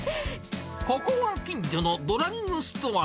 ここは近所のドラッグストア。